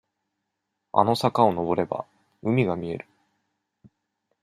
あの坂をのぼれば、海が見える。